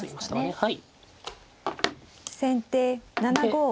はい。